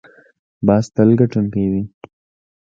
باز تل ګټونکی وي